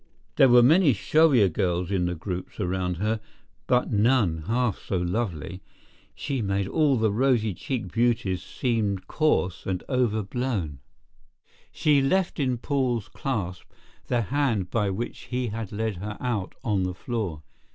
There were many showier girls in the groups around her, but none half so lovely. She made all the rosy cheeked beauties seem coarse and over blown. She left in Paul's clasp the hand by which he had led her out on the floor.